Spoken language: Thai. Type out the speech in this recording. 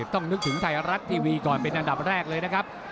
ต้องนึกถึงไทยรัฐทีวีก่อนเป็นอันดับแรกเลยนะครับ